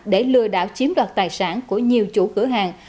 để lừa đảo chiếm đoạt tài sản của nhiều chủ cửa hàng